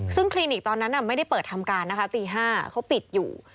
ซึ่งคลินิกตอนนั้นไม่ได้เปิดทำการนะคะตี๕เขาปิดอยู่